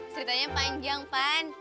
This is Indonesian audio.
ceritanya panjang pan